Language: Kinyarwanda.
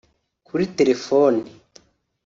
kuri telefoni